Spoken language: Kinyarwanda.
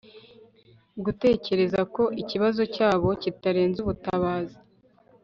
Gutekereza ko ikibazo cyabo kitarenze ubutabazi